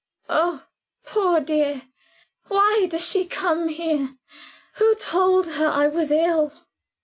"Oh! poor dear, why does she come here? Who told her I was ill?"